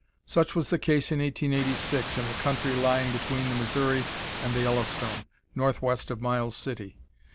Such was the case in 1886 in the country lying between the Missouri and the Yellowstone, northwest of Miles City.